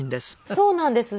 そうなんです。